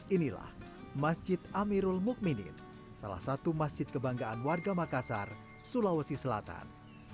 inilah masjid amirul mukminin salah satu masjid kebanggaan warga makassar sulawesi selatan